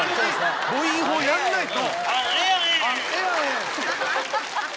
母音法やんないと。